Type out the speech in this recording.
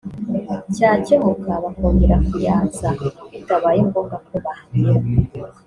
cyakemuka bakongera kuyatsa bitabaye ngombwa ko bahagera